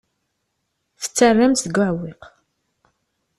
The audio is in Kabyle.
Tettarram-t deg uɛewwiq.